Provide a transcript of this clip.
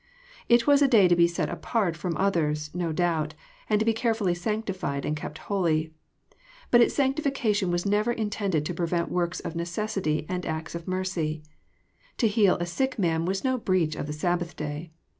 It was a day to be set apart from others, no doubt, and to be carefully sanctified and kept holy. But its sanctification was never intended to prevent works of necessity and acts of mercy. To heal a sick man was no breach of the Sabbath day.